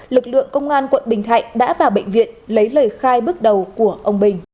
lực lượng công an quận bình thạnh đã vào bệnh viện lấy lời khai bước đầu của ông bình